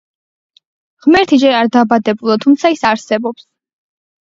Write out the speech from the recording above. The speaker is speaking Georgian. ღმერთი ჯერ არ დაბადებულა, თუმცა ის არსებობს.